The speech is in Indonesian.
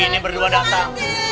ini berdua datang